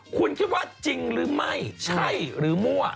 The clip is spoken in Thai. คุณคิดว่าจริงหรือไม่ใช่หรือมั่ว